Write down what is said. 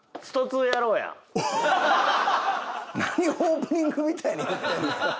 何オープニングみたいに言ってんねん。